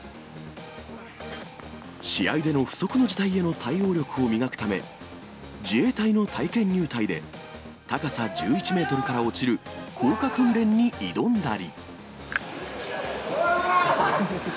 試合での不測の事態への対応力を磨くため、自衛隊の体験入隊で、高さ１１メートルから落ちる降下訓練に挑んだり。